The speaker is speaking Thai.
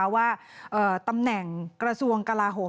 ว่าตำแหน่งกระทรวงกลาโหม